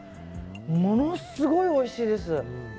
ものすごいおいしいです。